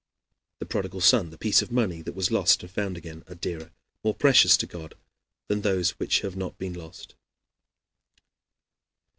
The prodigal son, the piece of money that was lost and found again, are dearer, more precious to God than those which have not been lost.